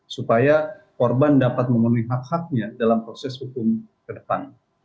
supaya korban dapat memenuhi hak haknya dalam proses hukum ke depan